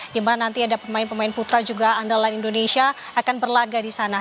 di mana nanti ada pemain pemain putra juga andalan indonesia akan berlaga di sana